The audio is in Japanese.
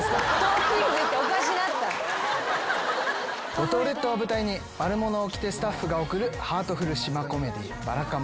五島列島を舞台に『マルモのおきて』スタッフが送るハートフル島コメディー『ばらかもん』